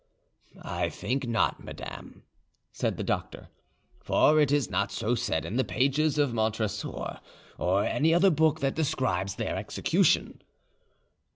"I think not, madame," said the doctor; "for it is not so said in the pages of Montresor or any other book that describes their execution."